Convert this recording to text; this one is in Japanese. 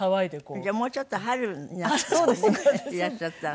じゃあもうちょっと春になったらいらっしゃったらね。